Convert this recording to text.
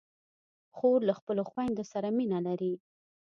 خور له خپلو خویندو سره مینه لري.